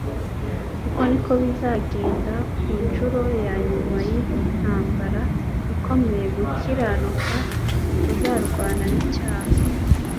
Uko niko bizagenda ku nshuro ya nyuma y'intambara ikomeye, gukiranuka kuzarwana n'icyaha.